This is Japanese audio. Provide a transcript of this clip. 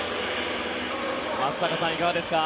松坂さん、いかがですか。